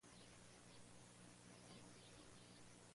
En esta edición debutaron tres países.